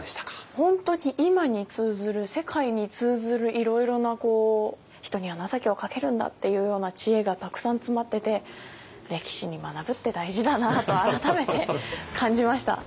本当に今に通ずる世界に通ずるいろいろなこう人には情けをかけるんだっていうような知恵がたくさん詰まっててと改めて感じました。